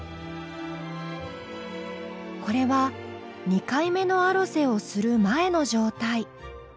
これは２回目のアロゼをする前の状態。